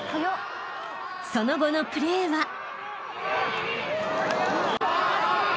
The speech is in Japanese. ［その後のプレーは］